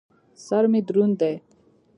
سر مې دروند دى.